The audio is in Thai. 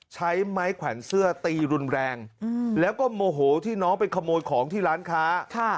ใช้ไม้แขวนเสื้อตีรุนแรงแล้วก็โมโหที่น้องไปขโมยของที่ร้านค้า